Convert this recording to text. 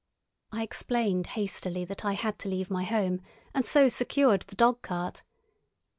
I explained hastily that I had to leave my home, and so secured the dog cart.